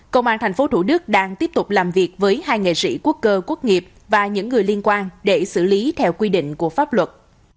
công an tp thủ đức đang tiếp tục làm việc với hai nghệ sĩ quốc cơ quốc nghiệp và những người liên quan để xử lý theo quy định của pháp luật